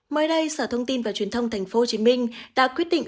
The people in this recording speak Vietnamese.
mới đây sở thông tin và truyền thông tp hcm đã quyết định